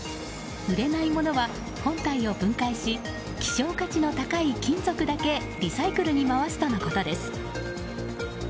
売れないものは本体を分解し希少価値の高い金属だけリサイクルに回すとのことです。